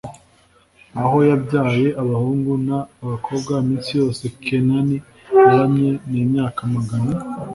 aho yabyaye abahungu n abakobwa Iminsi yose Kenani yaramye ni imyaka magana